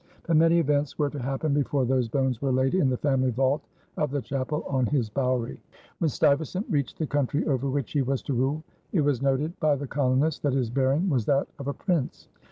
But many events were to happen before those bones were laid in the family vault of the chapel on his bouwerie. When Stuyvesant reached the country over which he was to rule, it was noted by the colonists that his bearing was that of a prince.